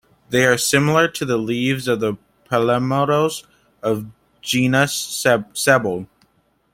They are similar to the leaves of the palmettos of genus "Sabal".